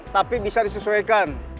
tapi bisa disesuaikan